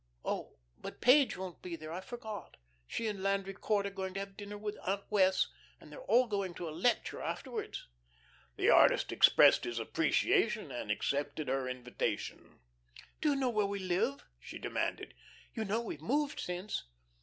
Oh, but Page won't be there, I forgot. She and Landry Court are going to have dinner with Aunt Wess', and they are all going to a lecture afterwards." The artist expressed his appreciation and accepted her invitation. "Do you know where we live?" she demanded. "You know we've moved since."